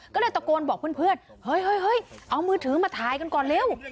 ก็เลยตะโกนบอกเพื่อนเฮ้ยเอามือถือมาถ่ายกันก่อนเร็ว